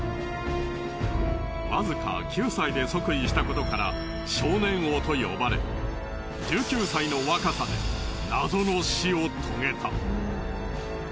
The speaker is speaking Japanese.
わずか９歳で即位したことから少年王と呼ばれ１９歳の若さで謎の死を遂げた。